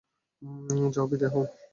যাও, বিদায় হও।